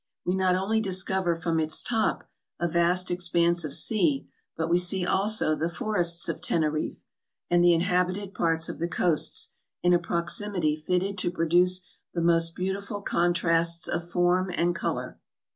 We not only discover from its top a vast expanse of sea, but we see also the forests of Teneriffe, and the inhabited parts of the coasts, in a proximity fitted to produce the most beautiful contrasts of form and color.